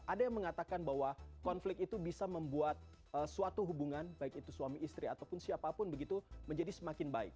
ada yang mengatakan bahwa konflik itu bisa membuat suatu hubungan baik itu suami istri ataupun siapapun begitu menjadi semakin baik